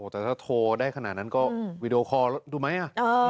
แต่ถ้าโทรได้ขนาดนั้นก็วีดีโอคอร์ดูไหม